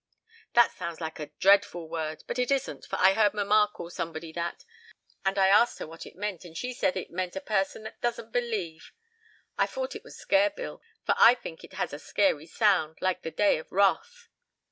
That sounds like a dreadful word, but it isn't, for I heard mamma call somebody that, and I asked her what it meant, and she said it meant a person that doesn't believe. I fought it would scare Bill, for I fink it has a scary sound, like the day of wrath."